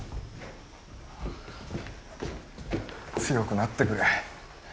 強くなってくれ。